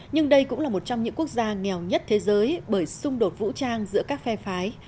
nhưng đây cũng là một trong những quốc gia nghèo nhất thế giới bởi xung đột vũ trang giữa các phe phái